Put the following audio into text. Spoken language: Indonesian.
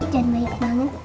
jangan naik banget ya